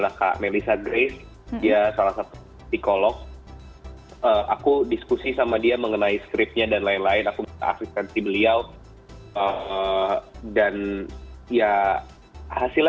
aku diskusi sama dia mengenai scriptnya dan lain lain aku asisten si beliau dan ya hasilnya